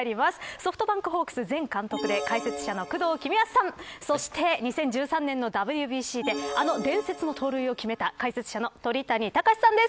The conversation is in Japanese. ソフトバンクホークス前監督で解説者の工藤公康さんそして、２０１３年のＷＢＣであの伝説の盗塁を決めた解説者の鳥谷敬さんです。